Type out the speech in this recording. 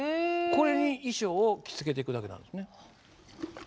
これに衣装を着付けていくだけなんですね。